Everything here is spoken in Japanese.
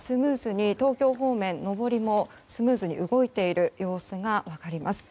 東京方面の上りもスムーズに動いている様子が分かります。